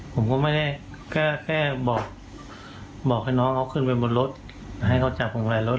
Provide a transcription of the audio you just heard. ผมก็ไม่ได้แค่บอกให้น้องเขาขึ้นไปบนรถให้เขาจับผมอะไรรถ